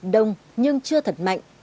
đông nhưng chưa thật mạnh